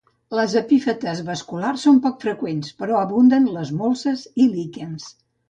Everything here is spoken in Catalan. Les Epífites vasculars són poc freqüents, però abunden les molses i líquens.